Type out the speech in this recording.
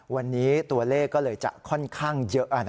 วันนี้ตัวเลขก็เลยจะค่อนข้างเยอะ